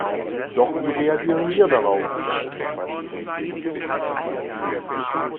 Doch wie reagieren wir darauf?